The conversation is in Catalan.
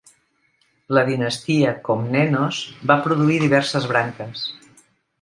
La dinastia Komnenos va produir diverses branques.